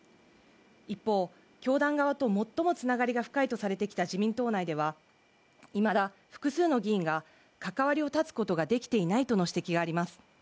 一方教団側と最もつながりが深いとされてきた自民党内ではいまだ複数の議員が関わりを断つことができていないとの指摘があります